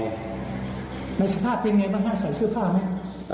แล้วเสื้อผ้าเป็นอย่างไรบ้างคะใส่เสื้อผ้าไหม